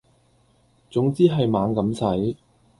總之係猛咁使